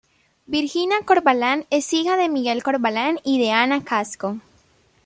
Virgina Corvalán es hija de Miguel Corvalán y de Ana Casco.